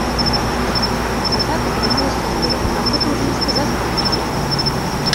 А так атрымалася міла, а гэта ўжо не сказаць, каб мала.